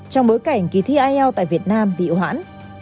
trong bối cảnh kỳ thi ielts tại việt nam bị ủ hãn